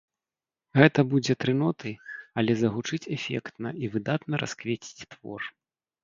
Гэта будзе тры ноты, але загучыць эфектна і выдатна расквеціць твор.